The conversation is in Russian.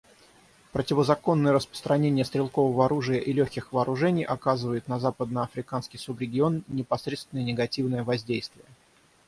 Противозаконное распространение стрелкового оружия и легких вооружений оказывает на западноафриканский субрегион непосредственное негативное воздействие.